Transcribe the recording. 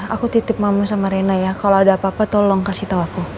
aku titip mama sama rena ya kalau ada apa apa tolong kasih tahu aku